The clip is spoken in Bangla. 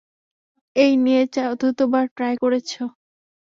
এই নিয়ে চতুর্থ বার ট্রাই করছো।